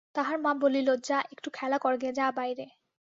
তাহার মা বলিল, যা একটু খেলা করগে যা বাইরে।